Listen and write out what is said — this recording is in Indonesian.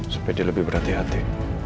supaya dia lebih berhati hati